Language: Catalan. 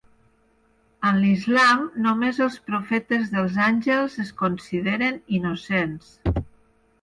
En l'Islam, només els profetes dels àngels es consideren innocents.